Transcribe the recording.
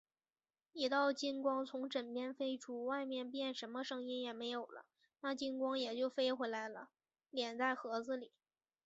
一道金光从枕边飞出，外面便什么声音也没有了，那金光也就飞回来，敛在盒子里。